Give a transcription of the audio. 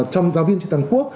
trong giáo viên truyền thần quốc